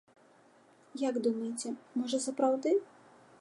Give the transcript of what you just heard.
Як думаеце, можа, сапраўды?